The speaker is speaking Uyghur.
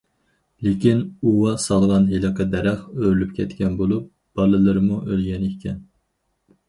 لېكىن ئۇۋا سالغان ھېلىقى دەرەخ ئۆرۈلۈپ كەتكەن بولۇپ، بالىلىرىمۇ ئۆلگەن ئىكەن.